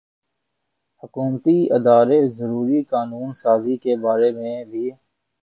حکومتی ادارے ضروری قانون سازی کے بارے میں بے